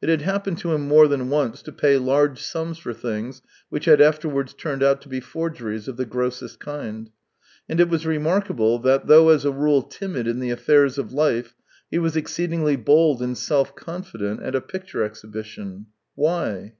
It had happened to him more tlian once to pay large sums for things which had afterwards turned out to be forgeries of tlie grossest kind. And it was remarkable that, though as a rule timid in the affairs of life, he was exceed ingly bold and self confident at a picture exhibition. Why